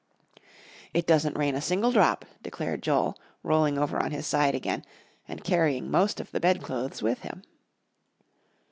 "It doesn't rain a single drop," declared Joel, rolling over on his side again, and carrying most of the bedclothes with him.